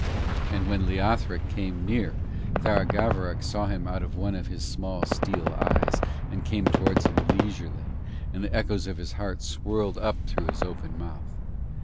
And when Leothric came near, Tharagavverug saw him out of one of his small steel eyes and came towards him leisurely, and the echoes of his heart swirled up through his open mouth.